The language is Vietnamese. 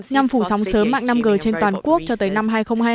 nhằm phủ sóng sớm mạng năm g trên toàn quốc cho tới năm hai nghìn hai mươi